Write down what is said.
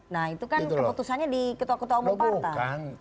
nah itu kan keputusannya di ketua ketua umum partai